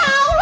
buat gua aja